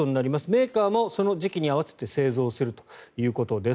メーカーもその時期に合わせて製造するということです。